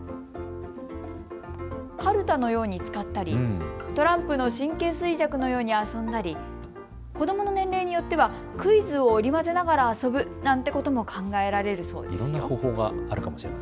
カルタのように使ったりトランプの神経衰弱のように遊んだり子どもの年齢によってはクイズを織り交ぜながら遊ぶなんてことも考えられるそうですよ。